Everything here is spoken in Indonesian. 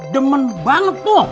demen banget tuh